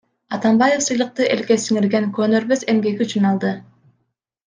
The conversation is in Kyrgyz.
Атамбаев сыйлыкты элге сиңирген көөнөрбөс эмгеги үчүн алды.